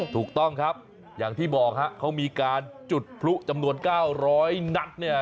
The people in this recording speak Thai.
ถูกต้องครับอย่างที่บอกฮะเขามีการจุดพลุจำนวน๙๐๐นัดเนี่ย